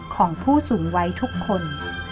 ของผู้สูงวัยทุกคน